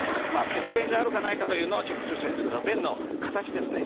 血便があるかないかというのをチェックする人はいるんですけど便の形ですね